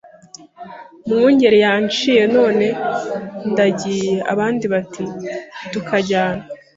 Mwungeli yanciye none ndagiye Abandi bati Tukajyana